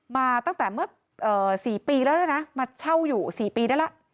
มาตั้งแต่เมื่อเอ่อสี่ปีแล้วนะมาเช่าอยู่สี่ปีแล้วละ